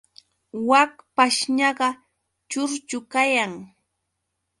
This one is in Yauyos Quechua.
Wak pashñaqa churchu kayan.